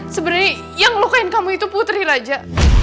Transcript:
sebenernya yang ngelukakin kamu itu putri raja